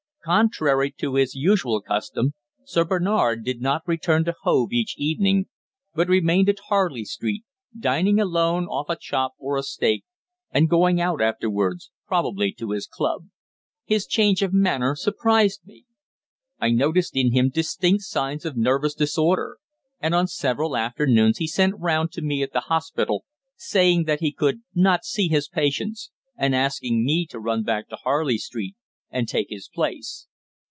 Contrary to his usual custom, Sir Bernard did not now return to Hove each evening, but remained at Harley Street dining alone off a chop or a steak, and going out afterwards, probably to his club. His change of manner surprised me. I noticed in him distinct signs of nervous disorder; and on several afternoons he sent round to me at the Hospital, saying that he could not see his patients, and asking me to run back to Harley Street and take his place.